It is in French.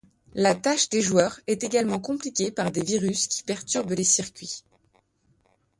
La tâche des joueurs est également compliquée par des virus qui perturbent les circuits.